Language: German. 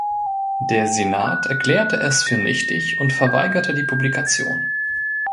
Der Senat erklärte es für nichtig und verweigerte die Publikation.